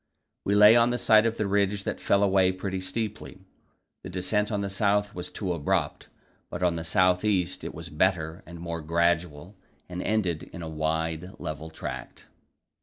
We lay on the side of a ridge that fell away pretty steeply. The descent on the south was too abrupt, but on the south east it was better and more gradual, and ended in a wide, level tract.